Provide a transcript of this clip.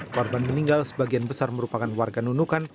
korban meninggal sebagian besar merupakan warga nunukan